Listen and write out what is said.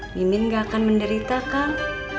mimin gak akan menderita kang